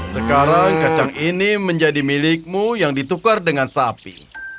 sekarang kacang ini menjadi milikmu yang ditukar dengan sapi